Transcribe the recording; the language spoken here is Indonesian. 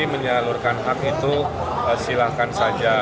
menyalurkan hak itu silahkan saja